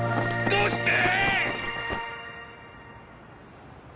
どうして？